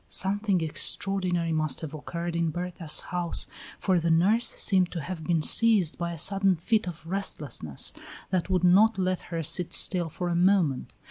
Something extraordinary must have occurred in Berta's house, for the nurse seemed to have been seized by a sudden fit of restlessness that would not let her sit still for a moment.